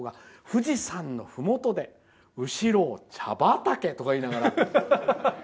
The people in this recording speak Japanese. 富士山のふもとで後ろは茶畑！とか言いながら。